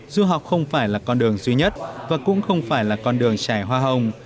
du học không phải là con đường duy nhất và cũng không phải là con đường trải hoa hồng